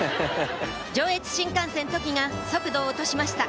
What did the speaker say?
上越新幹線「とき」が速度を落としました